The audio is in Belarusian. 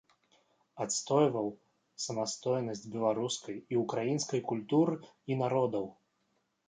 Адстойваў самастойнасць беларускай і ўкраінскай культур і народаў.